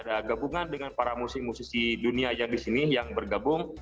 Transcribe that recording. dan bergabungan dengan para musik musik dunia yang bergabung